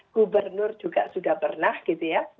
gubernur juga sudah pernah gitu ya